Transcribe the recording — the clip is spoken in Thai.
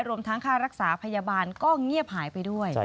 รวมทั้งค่ารักษาพยาบาลก็เงียบหายไปด้วย